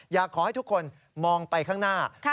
อยากให้ทุกคนมองไปข้างหน้า